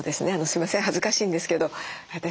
すいません恥ずかしいんですけど私